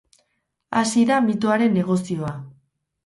Hasi da mitoaren negozioa.